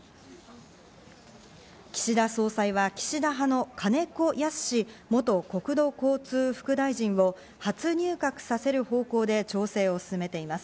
岸田総裁は岸田派の金子恭之元国土交通副大臣を初入閣させる方向で調整を進めています。